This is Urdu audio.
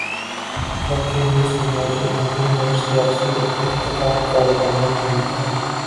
بلکہ یہ سماجی امن اور سیاسی ارتقا کا ضامن بھی ہے۔